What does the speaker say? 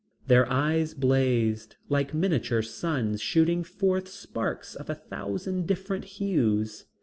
Their eyes blazed like miniature suns shooting forth sparks of a thousand different hues.